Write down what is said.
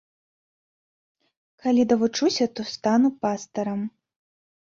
Калі давучуся, то стану пастарам.